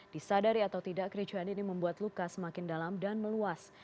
disadari atau tidak kericuhan ini membuat luka semakin dalam dan meluas